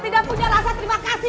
tidak punya rasa terima kasih